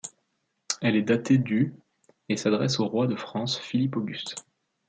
Elle est datée du et s'adresse au roi de France Philippe Auguste.